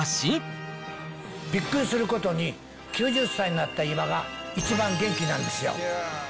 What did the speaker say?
びっくりすることに、９０歳になった今が一番元気なんですよ。